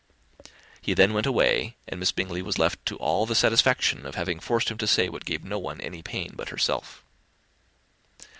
He then went away, and Miss Bingley was left to all the satisfaction of having forced him to say what gave no one any pain but herself.